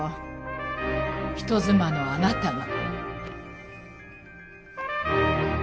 人妻のあなたが。